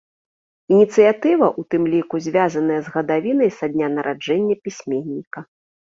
Ініцыятыва ў тым ліку звязаная з гадавінай са дня нараджэння пісьменніка.